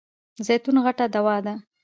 زیتون غټه دوا ده .